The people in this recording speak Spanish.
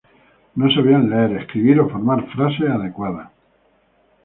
No sabían leer, escribir o formar frases adecuadas.